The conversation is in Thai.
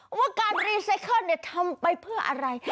ว่าการรีไซเคิลทำไปเพื่ออะไร